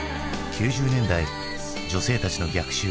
９０年代女性たちの逆襲。